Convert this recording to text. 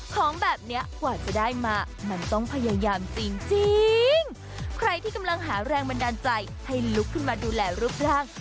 ของแบบเนี้ยกว่าจะได้มามันต้องพยายามจริงจริงใครที่กำลังหาแรงบันดาลใจให้ลุกขึ้นมาดูแลรูปร่าง